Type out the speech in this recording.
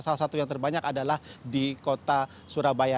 salah satu yang terbanyak adalah di kota surabaya